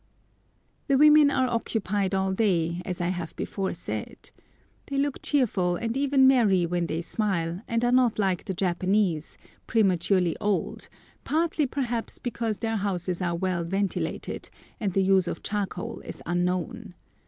The women are occupied all day, as I have before said. They look cheerful, and even merry when they smile, and are not like the Japanese, prematurely old, partly perhaps because their houses are well ventilated, and the use of charcoal is unknown.